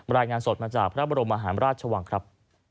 รายงานสดมาจากพระบรมมหาราชวังครับ